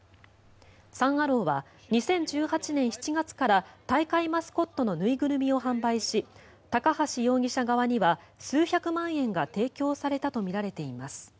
サン・アローは２０１８年７月から大会マスコットの縫いぐるみを販売し高橋容疑者側には数百万円が提供されたとみられています。